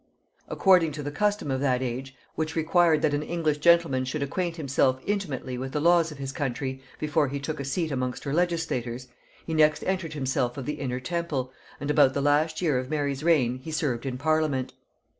According to the custom of that age, which required that an English gentleman should acquaint himself intimately with the laws of his country before he took a seat amongst her legislators, he next entered himself of the Inner Temple, and about the last year of Mary's reign he served in parliament.